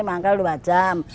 mangkal dua jam